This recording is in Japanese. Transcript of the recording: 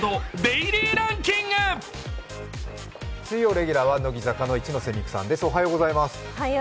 水曜レギュラーは乃木坂の一ノ瀬美空さんです。